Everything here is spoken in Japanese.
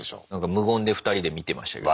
無言で２人で見てましたけど。